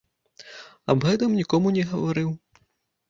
Аб гэтым нікому не гаварыў.